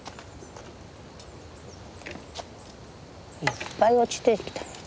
いっぱい落ちてきた。